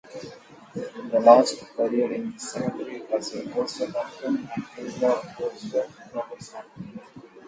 The last burial in this cemetery was a Worcester daughter, Ann Eliza Worcester Robertson.